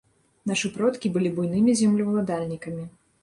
Нашы продкі былі буйнымі землеўладальнікамі.